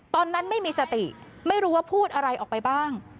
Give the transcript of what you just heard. ตอนนั้นไม่มีสติไม่รู้ว่าพูดอะไรออกไปบ้าง